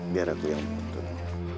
biar aku yang penting